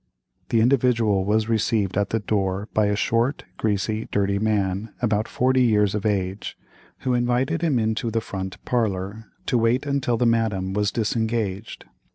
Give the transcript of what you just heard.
The Individual was received at the door by a short, greasy, dirty man, about forty years of age, who invited him into the front parlor, to wait until the Madame was disengaged.